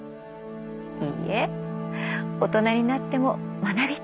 いいえ大人になっても学びたい！